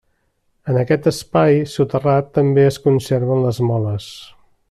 En aquest espai soterrat també es conserven les moles.